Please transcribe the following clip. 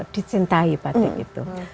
dicintai batik itu